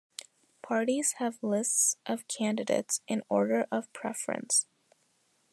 Parties have lists of candidates in order of preference.